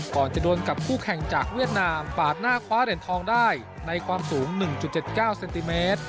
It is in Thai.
ก่อนจะโดนกับผู้แข่งจากเวียดนามปาดหน้าคว้าเหรียญทองได้ในความสูงหนึ่งจุดเจ็ดเก้าเซนติเมตร